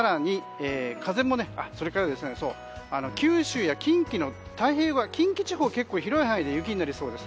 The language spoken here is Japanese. それから九州や近畿の太平洋側近畿地方は結構、広い範囲で雪になりそうです。